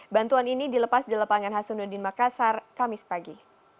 bantuan ini dilepas di lapangan hasanuddin makassar kamis pagi